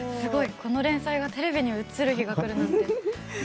この連載がテレビに映る日がくるなんて。